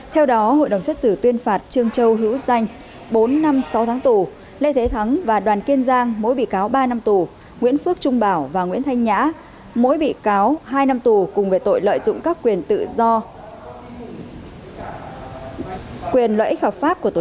theo đó hội đồng xét xử tuyên phạt trương châu hữu danh bốn năm sáu tháng tù lê thế thắng và đoàn kiên giang mỗi bị cáo ba năm tù nguyễn phước trung bảo và nguyễn thanh nhã mỗi bị cáo hai năm tù cùng về tội lợi dụng các quyền tự do